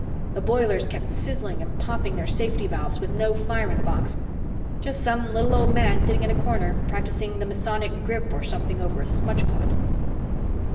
The boilers kept sizzling and popping their safety valves with no fire in the box! Just some little old man sitting in a corner, practicing the Masonic grip or something over a smudgepot."